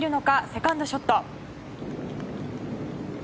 セカンドショット。